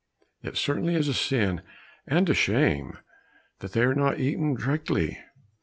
It certainly is a sin and a shame that they are not eaten directly!"